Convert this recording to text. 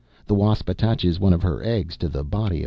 The wasp attaches one of her eggs to the body of a worm.